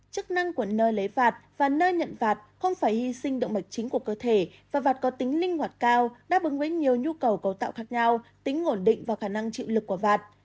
chức năng của nơi lấy phạt và nơi nhận vạt không phải hy sinh động mạch chính của cơ thể và có tính linh hoạt cao đáp ứng với nhiều nhu cầu cấu tạo khác nhau tính ổn định và khả năng chịu lực của vạt